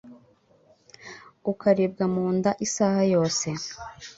ukaribwa mu nda isah yose